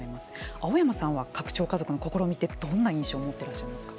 青山さんは拡張家族の試みってどんな印象を持っていらっしゃいますか。